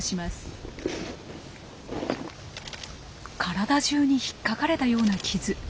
体中に引っかかれたような傷。